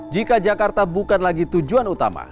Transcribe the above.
jika jakarta bukan lagi tujuan utama